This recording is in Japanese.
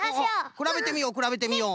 くらべてみようくらべてみよう！